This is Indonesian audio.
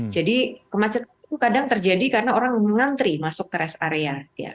jadi kemacetan itu kadang terjadi karena orang mengantri masuk ke rest area